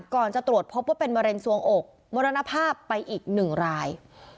ก่อนจะตรวจพบว่าเป็นมะเร็งสวงอกมรณภาพไปอีก๑ราย